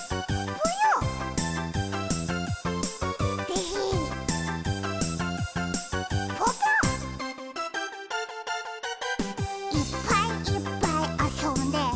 ぽぽ「いっぱいいっぱいあそんで」